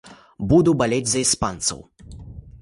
Буду балець за іспанцаў.